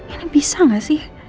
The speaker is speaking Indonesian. ini bisa gak sih